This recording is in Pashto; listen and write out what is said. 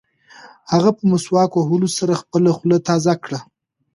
هغه په مسواک وهلو سره خپله خوله تازه کړه.